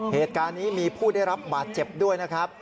เหตุการณ์นี้มีผู้ได้รับบาดเจ็บด้วยนะครับ